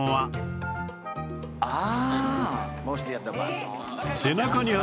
「ああ！」